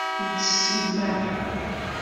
Ur tt-tessinem ara.